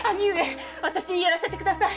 私にやらせてください